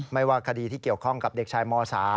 ไม่ว่าคดีที่เกี่ยวข้องกับเด็กชายม๓